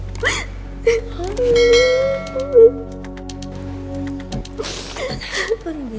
apa yang terjadi